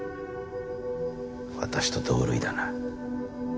私と同類だな。